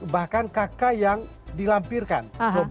bahkan kakak yang dilampirkan